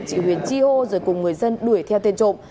chị huyền chi hô rồi cùng người dân đuổi theo tên trộm